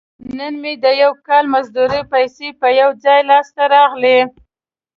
نن مې د یو کال مزدورۍ پیسې په یو ځای لاس ته راغلي.